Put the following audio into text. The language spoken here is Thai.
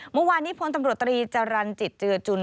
เมื่อวานนี้พลตำรวจตรีจรรย์จิตเจือจุน